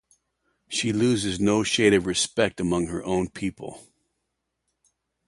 She loses no shade of respect among her own people.